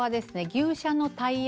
牛車のタイヤ。